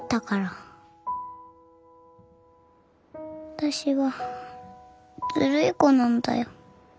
私はずるい子なんだよ。